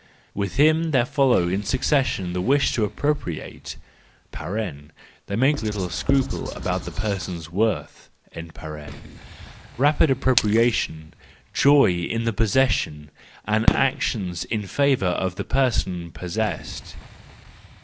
With them there follow in succession the wish to appropriate (they make little scruple about the person's worth), rapid appropriation, joy in the possession, and actions in favour of the person possessed.